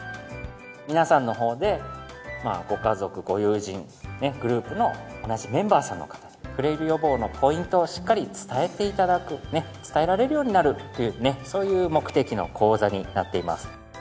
皆さんの方でご家族ご友人グループの同じメンバーさんの方へフレイル予防のポイントをしっかり伝えて頂く伝えられるようになるというそういう目的の講座になっています。